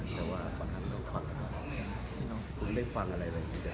ผมหมายถึงสิ่งที่เขาคุ้นลืม